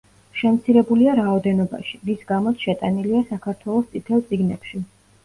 შემცირებულია რაოდენობაში, რის გამოც შეტანილია საქართველოს „წითელ წიგნებში“.